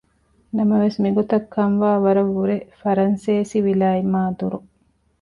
ނަމަވެސް މިގޮތަށް ކަން ވާވަރަށްވުރެ ފަރަންސޭސިވިލާތް މާ ދުރު